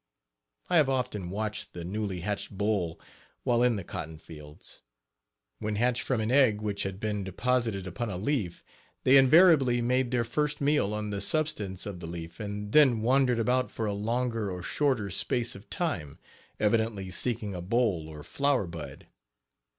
I have often watched the Page 30 newly hatched boll while in the cotton fields. When hatched from an egg which had been deposited upon a leaf, they invariably made their first meal on the substance of the leaf, and then wandered about for a longer or shorter space of time, evidently seeking a boll or flower bud.